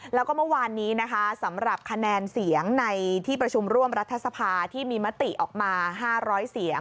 แล้วก็เมื่อวานนี้นะคะสำหรับคะแนนเสียงในที่ประชุมร่วมรัฐสภาที่มีมติออกมา๕๐๐เสียง